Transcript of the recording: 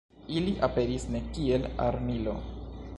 Ili aperis ne kiel armilo.